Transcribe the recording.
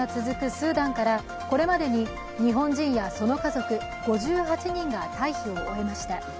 スーダンから、これまでに日本人やその家族５８人が退避を終えました。